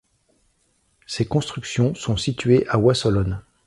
Ces constructions sont situées à Wasselonne.